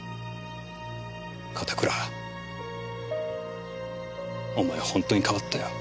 片倉お前は本当に変わったよ。